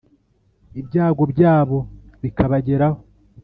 ibyago byabo bikabageraho,